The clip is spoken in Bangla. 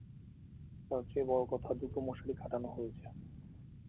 তার চেয়েও বড় কথা-দুটো মশারি খাটানো হয়েছে।